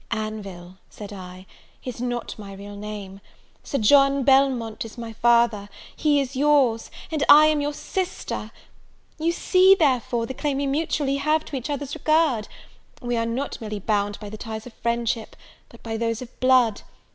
"Anville," said I, "is not my real name; Sir John Belmont is my father, he is your's, and I am your sister! You see, therefore, the claim we mutually have to each other's regard; we are not merely bound by the ties of friendship, but by those of blood.